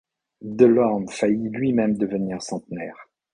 Delorme faillit lui-même devenir centenaire.